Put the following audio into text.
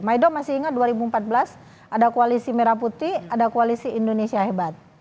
mido masih ingat dua ribu empat belas ada koalisi merah putih ada koalisi indonesia hebat